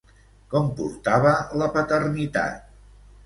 Com portava la paternitat?